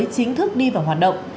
chính thức đi vào hoạt động